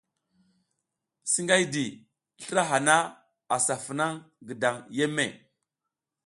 Singihay, slra hana asa funa gidan yeme.